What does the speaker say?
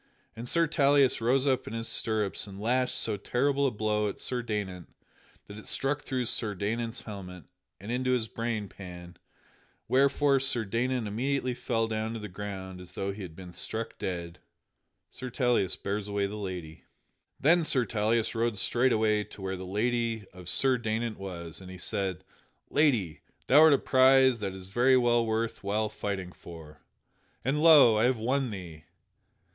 And Sir Tauleas rose up in his stirrups and lashed so terrible a blow at Sir Daynant that it struck through Sir Daynant's helmet and into his brain pan, wherefore Sir Daynant immediately fell down to the ground as though he had been struck dead. [Sidenote: Sir Tauleas bears away the lady] Then Sir Tauleas rode straightway to where the lady of Sir Daynant was, and he said: "Lady, thou art a prize that it is very well worth while fighting for! And lo! I have won thee."